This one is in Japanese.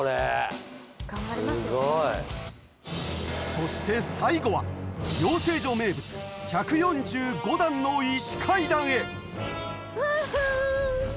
そして最後は養成所名物１４５段の石階段へハハァ。